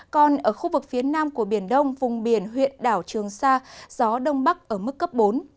còn ở khu vực phía nam của biển đông vùng biển huyện đảo trường sa gió đông bắc ở mức cấp bốn